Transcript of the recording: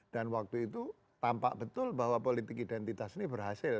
dan waktu itu tampak betul bahwa politik identitas ini berhasil